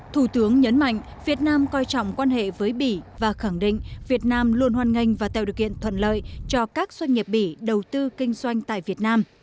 thủ tướng nhấn mạnh việt nam coi trọng quan hệ với bỉ và khẳng định việt nam luôn hoàn ngành và tạo điều kiện thuận lợi cho các doanh nghiệp bỉ đầu tư kinh doanh tại việt nam